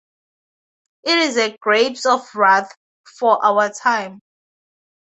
It is a "Grapes of Wrath" for our time.